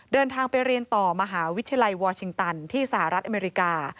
เดินทางไปเรียนต่อมหาวิทยาลัยวอร์ชิงตันที่สหรัฐอเมริกา